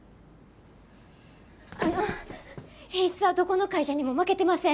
あの品質はどこの会社にも負けてません。